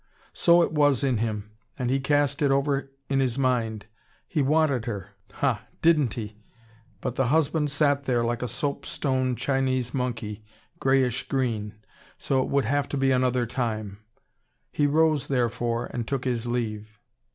So it was, in him. And he cast it over in his mind. He wanted her ha, didn't he! But the husband sat there, like a soap stone Chinese monkey, greyish green. So, it would have to be another time. He rose, therefore, and took his leave.